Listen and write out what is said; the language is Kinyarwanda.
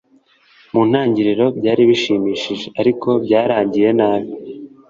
Mu ntangiriro byari bishimishije ariko byarangiye nabi